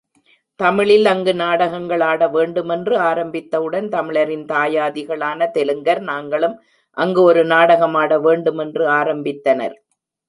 தமிழில் அங்கு நாடகங்களாட வேண்டுமென்று ஆரம்பித்தவுடன், தமிழரின் தாயாதிகளான தெலுங்கர், நாங்களும் அங்கு ஒரு நாடகமாட வேண்டுமென்று ஆரம்பித்தனர்!